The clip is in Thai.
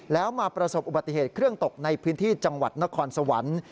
แล้วมาประสบอุบัติเหตุเครื่องตกในพื้นที่จังหวัดนครสวรรค์